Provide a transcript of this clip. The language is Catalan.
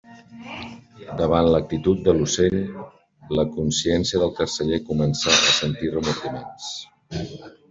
Davant l'actitud de l'ocell, la consciència del carceller començà a sentir remordiments.